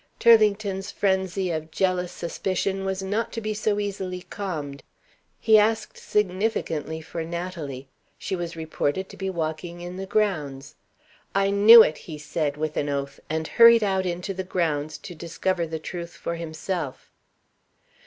Turlington's frenzy of jealous suspicion was not to be so easily calmed. He asked significantly for Natalie. She was reported to be walking in the grounds. "I knew it!" he said, with an oath and hurried out into the grounds to discover the truth for himself.